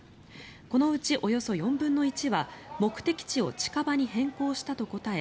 このうちおよそ４分の１は目的地を近場に変更したと答え